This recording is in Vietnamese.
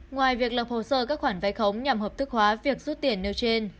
ngoài việc lập hồ sơ các khoản vay khống nhằm hợp thức hóa việc rút tiền nêu trên